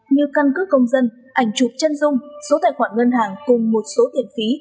như căn cước công dân ảnh chụp chân dung số tài khoản ngân hàng cùng một số tiền phí